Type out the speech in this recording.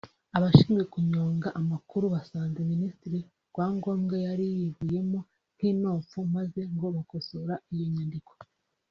abashinzwe kunyonga amakuru basanze Ministre Rwangombwa yari yivuyemo nk’inopfu maze ngo ”bakosora iyo nyandiko”